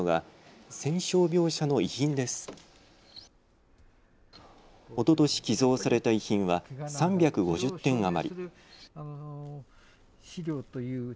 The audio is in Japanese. おととし寄贈された遺品は３５０点余り。